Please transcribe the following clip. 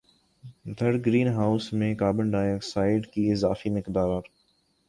دھر greenhouse میں carbon dioxide کی اضافی مقدار